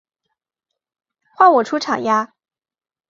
换我出场呀！